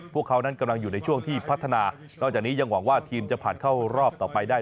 พวกเขานั้นกำลังอยู่ในช่วงที่พัฒนานอกจากนี้ยังหวังว่าทีมจะผ่านเข้ารอบต่อไปได้